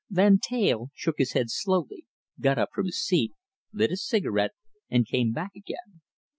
Van Teyl shook his head slowly, got up from his seat, lit a cigarette, and came back again.